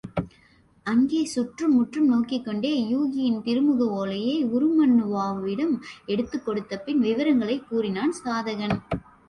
அங்கே சுற்றும் முற்றும் நோக்கிக்கொண்டே யூகியின் திருமுக ஒலையை உருமண்ணுவாவிடம் எடுத்துக் கொடுத்த பின் விவரங்களைக் கூறினான் சாதகன்.